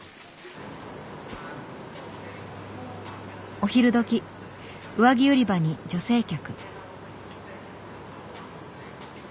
お昼どき上着売り場に女性客。